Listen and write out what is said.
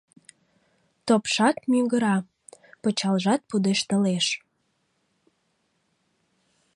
Топшат мӱгыра, пычалжат пудештылеш